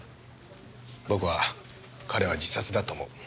僕は彼は自殺だと思う。